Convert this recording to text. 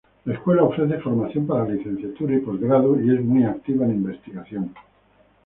La escuela ofrece formación para licenciatura y postgrado, y es muy activa en investigación.